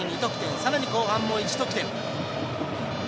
さらに後半も１得点。